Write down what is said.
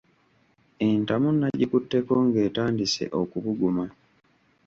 Entamu nagikutteko ng’etandise okubuguma.